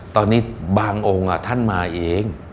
ตอนนี้บางองค์ท่านมาเอง